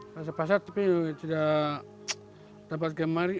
pasar pasar tapi tidak dapat kemari